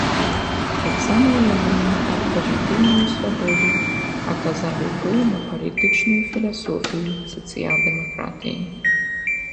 Таксама ўяўленні аб пазітыўнай свабодзе аказалі ўплыў на палітычную філасофію сацыял-дэмакратыі.